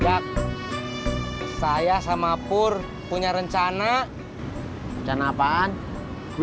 jangan lihat gak ada yang mau pindah dulu